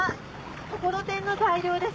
ところてんの材料です。